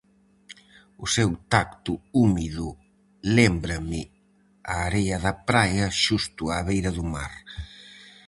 O seu tacto húmido lémbrame a area da praia xusto á beira do mar.